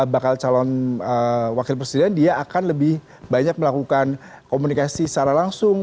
bakal calon wakil presiden dia akan lebih banyak melakukan komunikasi secara langsung